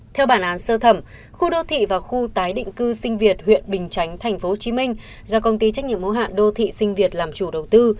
theo bản án sơ thẩm khu đô thị và khu tái định cư sinh việt huyện bình chánh tp hcm do công ty trách nhiệm mô hạn đô thị sinh việt làm chủ đầu tư